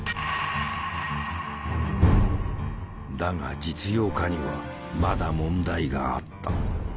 だが実用化にはまだ問題があった。